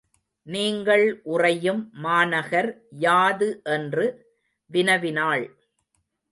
நீங்கள் உறையும் மாநகர் யாது என்று வினவினாள்.